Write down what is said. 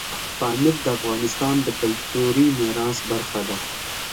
پامیر د افغانستان د کلتوري میراث برخه ده.